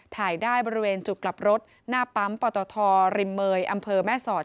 ถ่ายได้บริเวณจุดกลับรถหน้าปั๊มปตทริมเมย์อำเภอแม่สอด